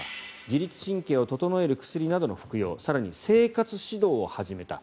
自律神経を整える薬などの服用更に生活指導を始めた。